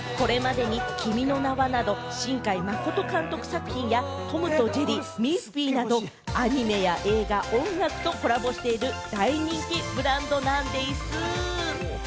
これまでに『君の名は。』などの新海誠監督作品や、『トムとジェリー』、ミッフィーなど、アニメや映画、音楽とコラボしている大人気ブランドなんでぃす。